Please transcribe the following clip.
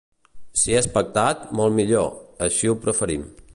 Si és pactat, molt millor, així ho preferim.